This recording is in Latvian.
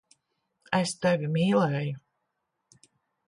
Es tevi mīlēju.